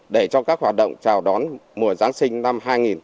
để cho các hoạt động chào đón mùa giáng sinh năm hai nghìn hai mươi